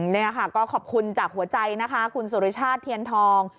นี่ค่ะก็ขอบคุณจากหัวใจนะคะคุณสุริชาติเทียนทอง